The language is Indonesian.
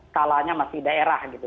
kalanya masih daerah gitu